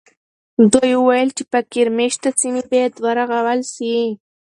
دوی وویل چې فقیر مېشته سیمې باید ورغول سي.